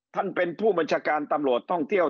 ท่านเป็นผู้บัญชาการตำรวจท่องเที่ยว